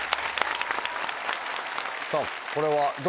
さぁこれは。